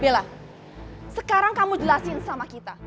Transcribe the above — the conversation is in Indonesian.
bella sekarang kamu jelasin sama kita